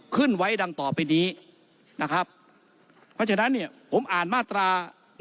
ขึ้นไว้ดังต่อไปนี้นะครับเพราะฉะนั้นเนี่ยผมอ่านมาตรา๑๑